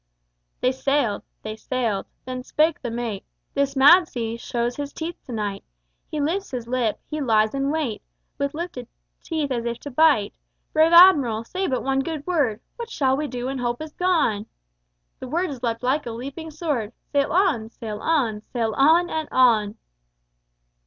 They sailed. They sailed. Then spake the mate: "This mad sea shows his teeth to night. He lifts his lip, he lies in wait, With lifted teeth, as if to bite! Brave Admiral, say but one good word: What shall we do when hope is gone?" The words leapt like a leaping sword: "Sail on! sail on! sail on! and on!"